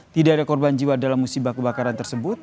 tidak ada korban jiwa dalam musibah kebakaran tersebut